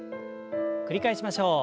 繰り返しましょう。